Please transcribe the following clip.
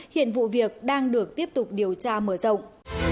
hiện vụ việc đang được tiếp tục điều tra mở rộng